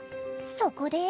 そこで。